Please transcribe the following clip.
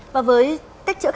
và với cách chữa bệnh